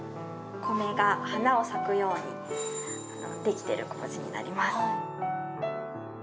お米が花を咲くようにできてるこうじになります。